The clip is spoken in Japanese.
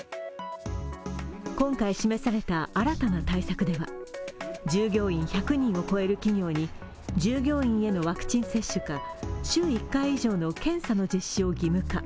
今回示された新たな対策では従業員１００人を超える企業に従業員へのワクチン接種か週１回以上の検査の実施を義務化。